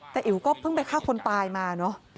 แต่อิ๋วก็เพิ่งไปฆ่าคนตายมาเนอะ